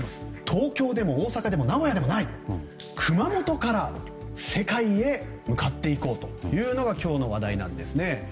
東京でも大阪でも名古屋でもない熊本から世界へ向かっていこうというのが今日の話題です。